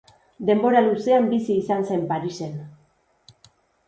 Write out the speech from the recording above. Denbora luzean bizi izan zen Parisen.